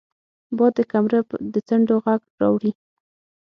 باد د کمره د څنډو غږ راوړي